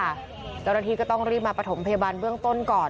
เจ้าหน้าที่ก็ต้องรีบมาประถมพยาบาลเบื้องต้นก่อน